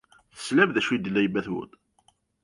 Teslam d acu ay d-tenna yemma-twen.